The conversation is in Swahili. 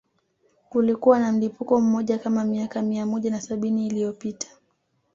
Kulikuwa na mlipuko mmoja kama miaka mia moja na sabini iliyopita